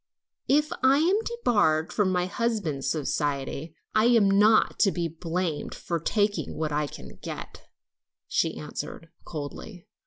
"If I am debarred from my husband's society, I'm not to be blamed for taking what I can get," she answered coldly.